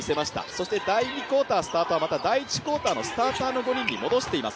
そして第２クオータースタートはまた第１クオーターのスターターに戻しています